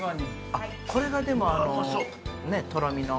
これがでもとろみの。